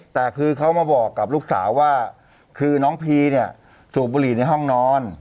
แต่คือเขามาบอกกับลูกสาวว่าคือน้องพีเนี่ยสูบบุหรี่ในห้องนอน